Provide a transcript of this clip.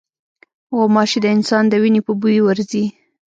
غوماشې د انسان د وینې په بوی ورځي.